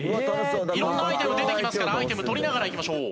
色んなアイテム出てきますからアイテム取りながらいきましょう。